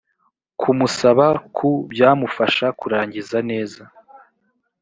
kumusaba ku byamufasha kurangiza neza